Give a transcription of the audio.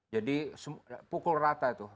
jadi pukul rata tuh